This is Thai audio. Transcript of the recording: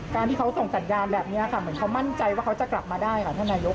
การที่เขาส่งสัญญาณแบบนี้ค่ะเหมือนเขามั่นใจว่าเขาจะกลับมาได้ค่ะท่านนายก